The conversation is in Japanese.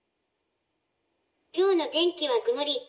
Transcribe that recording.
「今日の天気は曇り。